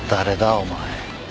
お前。